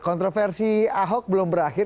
kontroversi ahok belum berakhir